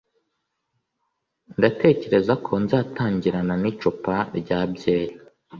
ndatekereza ko nzatangirana n'icupa rya byeri